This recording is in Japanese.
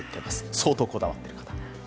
相当こだわっています。